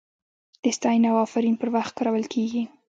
د ستاینې او افرین پر وخت کارول کیږي.